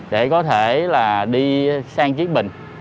để có thể là đi sang chiếc bình